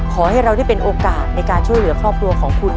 ขอให้เราได้เป็นโอกาสในการช่วยเหลือครอบครัวของคุณ